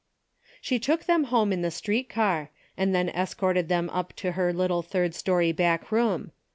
She took them home in the street car, and then escorted them up to her little third story back room.